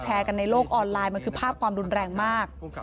กันในโลกออนไลน์มันคือภาพความรุนแรงมาก